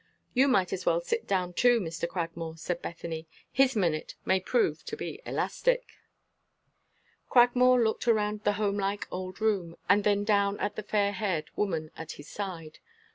"You might as well sit down, too, Mr. Cragmore," said Bethany. "His minute may prove to be elastic." Cragmore looked around the homelike old room, and then down at the fair haired woman at his side.